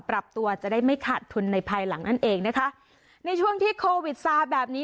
ปรับตัวจะได้ไม่ขาดทุนในภายหลังนั่นเองนะคะในช่วงที่โควิดซาแบบนี้